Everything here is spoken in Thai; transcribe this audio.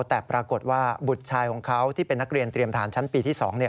แต่ปรากฏว่าบุตรชายของเขาที่เป็นนักเรียนเตรียมทหารชั้นปีที่๒